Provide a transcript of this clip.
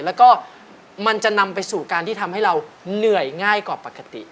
แล้วก็มันจะนำไปสู่การที่ทำให้เราเหนื่อยง่ายกว่าปกติ